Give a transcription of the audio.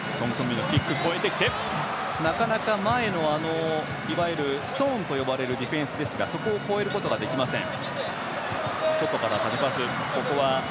なかなか前のいわゆるストーンといわれるディフェンスですがそこを越えることができません。